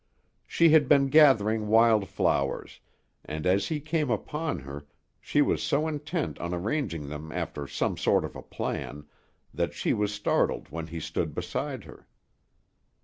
She had been gathering wild flowers, and, as he came upon her, she was so intent on arranging them after some sort of a plan, that she was startled when he stood beside her.